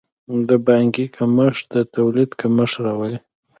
د پانګې کمښت د تولید کمښت راولي.